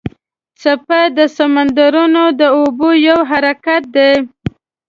څپې د سمندرونو د اوبو یو حرکت دی.